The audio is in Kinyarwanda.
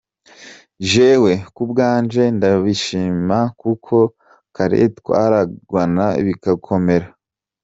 ' Jewe kubwanje ndabishima kuko kare twaragwana bigakomera.